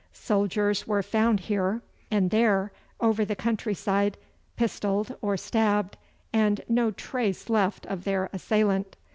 Soldiers were found here and there over the countryside pistolled or stabbed, and no trace left of their assailant.